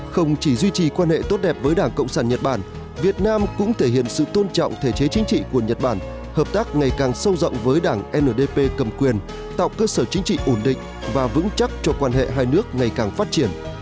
không chỉ duy trì quan hệ tốt đẹp với đảng cộng sản nhật bản việt nam cũng thể hiện sự tôn trọng thể chế chính trị của nhật bản hợp tác ngày càng sâu rộng với đảng ndp cầm quyền tạo cơ sở chính trị ổn định và vững chắc cho quan hệ hai nước ngày càng phát triển